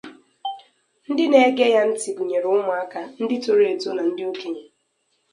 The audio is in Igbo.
Ndị na-ege ya ntị gụnyere ụmụaka, ndị toro eto na ndị okenye.